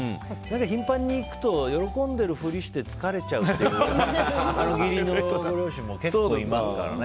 頻繁に行くと喜んでるふりして疲れちゃうっていう義理のご両親も結構いますからね。